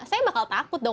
saya bakal takut dong